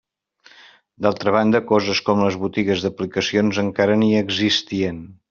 D'altra banda, coses com les botigues d'aplicacions encara ni existien.